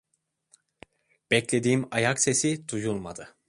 Beklediğim ayak sesi duyulmadı.